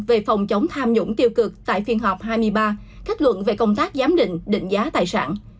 về phòng chống tham nhũng tiêu cực tại phiên họp hai mươi ba kết luận về công tác giám định định giá tài sản